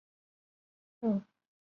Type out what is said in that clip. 蓬佩雅克。